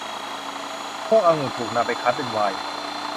พวกองุ่นถูกนำไปคั้นเป็นไวน์